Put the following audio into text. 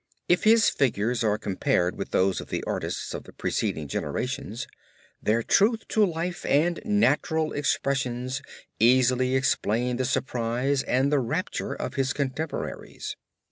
If his figures are compared with those of the artists of the preceding generations, their truth to life and natural expressions easily explain the surprise and the rapture of his contemporaries.